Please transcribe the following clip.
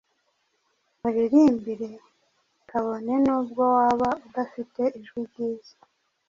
Muririmbire kabone nubwo waba udafite ijwi ryiza